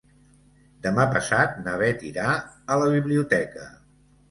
Demà passat na Beth irà a la biblioteca.